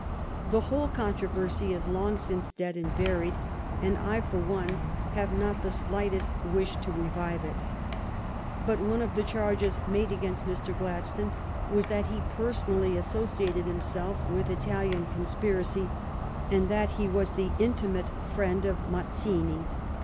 The whole controversy is long since dead and buried, and I, for one, have not the slightest wish to revive it. But one of the charges made against Mr. Gladstone was that he personally associated himself with Italian conspir acy, and that he was the intimate friend of Mazzini.